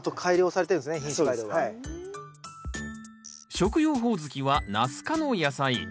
食用ホオズキはナス科の野菜。